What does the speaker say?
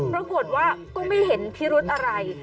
ปรากฏว่าก็ไม่เห็นพิรุธอะไร